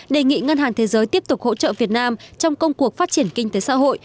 đề nghị ngân hàng thế giới tiếp tục hỗ trợ việt nam trong công cuộc phát triển kinh tế xã hội